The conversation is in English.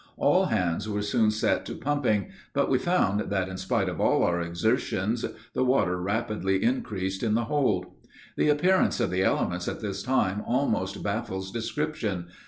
All hands were soon set to pumping, but we found that in spite of all our exertions, the water rapidly increased in the hold. The appearance of the elements at this time almost baffles description.